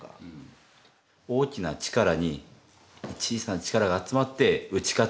大きな力に小さな力が集まって打ち勝つ。